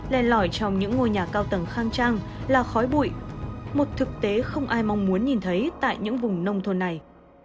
len lỏi trong những ngôi nhà cao tầng khang trang là khói bụi một thực tế không ai mong muốn nhìn thấy tại những vùng nông thôn này